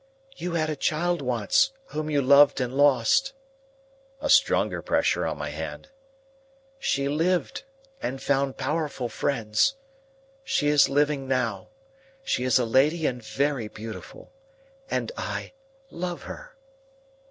"You had a child once, whom you loved and lost." A stronger pressure on my hand. "She lived, and found powerful friends. She is living now. She is a lady and very beautiful. And I love her!"